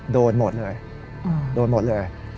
โดนหมดเลยโดนหมดเลย